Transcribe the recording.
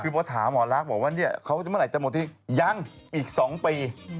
คือพอถามหมอลักษมณ์บอกว่าเขาเมื่อไหร่จะหมดทุกข์ยังอีก๒ปี